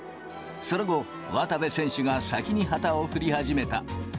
その後、渡部選手が先に旗を振り始めた。